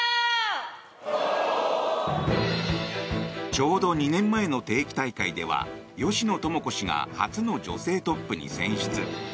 ちょうど２年前の定期大会では芳野友子氏が初の女性トップに選出。